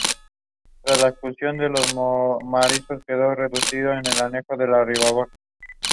A shield above these bears an engrailed cross.